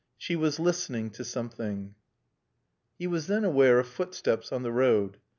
She was listening to something. He was then aware of footsteps on the road.